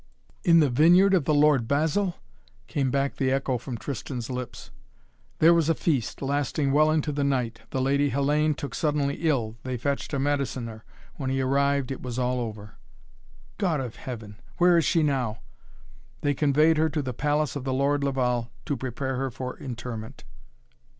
"In the vineyard of the Lord Basil?" came back the echo from Tristan's lips. "There was a feast, lasting well into the night. The Lady Hellayne took suddenly ill. They fetched a mediciner. When he arrived it was all over." "God of Heaven! Where is she now?" "They conveyed her to the palace of the Lord Laval, to prepare her for interment."